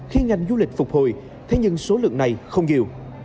khi ngành du lịch phục hồi thế nhưng số lượng này không nhiều